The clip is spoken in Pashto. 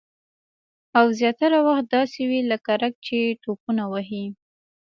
او زیاتره وخت داسې وي لکه رګ چې ټوپونه وهي